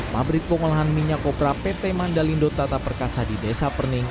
fabrik pengolahan minyak kobra pt mandalindo tata perkasa di desa pening